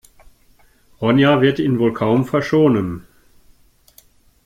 Ronja wird ihn wohl kaum verschonen.